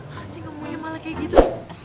masih gak mau nyamalah kayak gitu